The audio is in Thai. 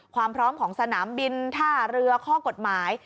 ความพร้อมของสนามบินท่าเรือข้อกฎหมาย